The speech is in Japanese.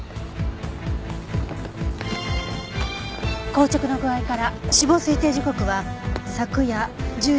硬直の具合から死亡推定時刻は昨夜１０時から０時の間。